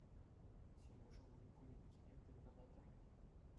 Сережа вут пуленккине тытнӑ та тӑрать.